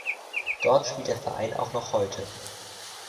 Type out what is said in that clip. Dort spielt der Verein auch noch heute.